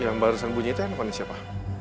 yang barusan bunyi itu handphone siapa